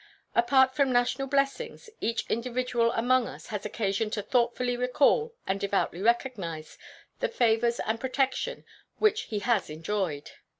Apart from national blessings, each individual among us has occasion to thoughtfully recall and devoutly recognize the favors and protection which he has enjoyed.